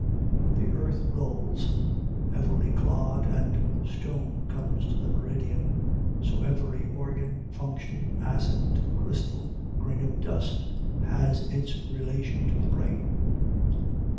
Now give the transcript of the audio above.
The earth rolls; every clod and stone comes to the meridian; so every organ, function, acid, crystal, grain of dust, has its relation to the brain.